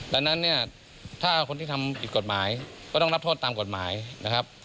ดังนั้นเนี่ยถ้าคนที่ทำผิดกฎหมายก็ต้องรับโทษตามกฎหมายนะครับ